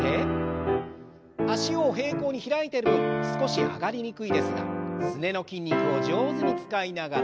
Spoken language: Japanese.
脚を平行に開いてる分少し上がりにくいですがすねの筋肉を上手に使いながら。